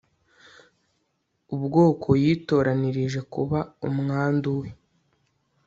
ubwoko yitoranirije kuba umwandu we